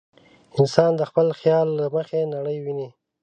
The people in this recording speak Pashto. انسان د خپل خیال له مخې نړۍ ویني.